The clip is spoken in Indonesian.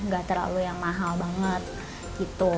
gak terlalu yang mahal banget gitu